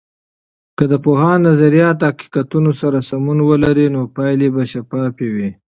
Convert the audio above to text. که د پوهاند نظریات د حقیقتونو سره سمون ولري، نو پایلې به شفافې وي.